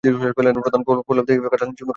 প্রধান ফল-ফলাদি আম, কাঁঠাল, লিচু, কলা, তরমুজ।